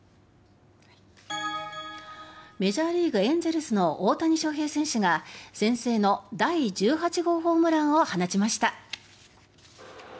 メジャーリーグエンゼルスの大谷翔平選手が先制の第１８号ホームランを放ちました。